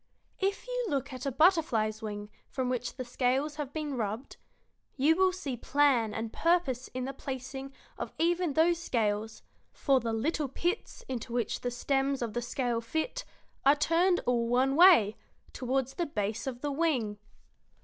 If you look at a butterfly's wing from which the scales have been rubbed you will see plan and purpose in the placing of even those scales; for the little pits into which the stems of the scale fit are turned all one way, toward the base of the wing."